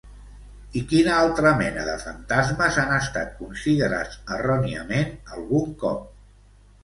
I quina altra mena de fantasmes han estat considerats erròniament algun cop?